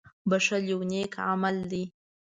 • بښل یو نېک عمل دی.